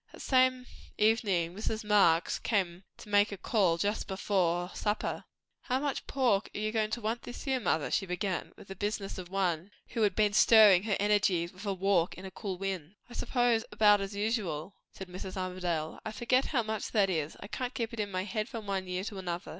That same evening Mrs. Marx came to make a call, just before supper. "How much pork are you goin' to want this year, mother?" she began, with the business of one who had been stirring her energies with a walk in a cool wind. "I suppose, about as usual," said Mrs. Armadale. "I forget how much that is; I can't keep it in my head from one year to another.